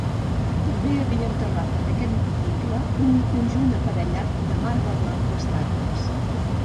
També havia enterrat en aquest monticle un conjunt aparellat de marbre blanc d'estàtues.